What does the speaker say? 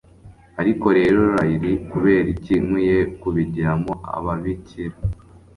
Ariko rero, Riley, kubera iki nkwiye kubigiramo ababikira?